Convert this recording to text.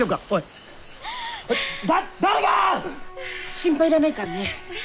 心配いらないからね。